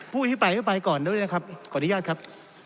ผู้อภิปรายอภิปรายก่อนด้วยนะครับขออนุญาตครับ